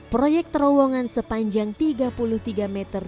proyek terowongan sepanjang tiga puluh tiga meter